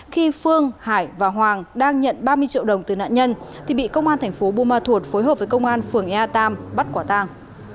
khi phương hải và hoàng đang nhận ba mươi triệu đồng từ nạn nhân thì bị công an tp bu ma thuột phối hợp với công an phường ea tam bắt quả tàng